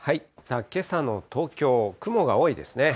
けさの東京、雲が多いですね。